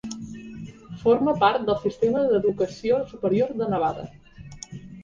Forma part del Sistema d'Educació Superior de Nevada.